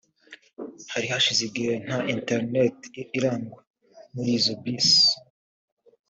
Hari hashize igihe nta internet irangwa muri izo bisi